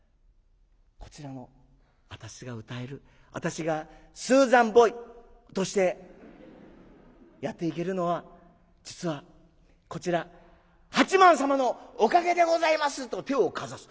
こちらの私が歌える私がスーザン・ボイとしてやっていけるのは実はこちら八幡様のおかげでございます」と手をかざす。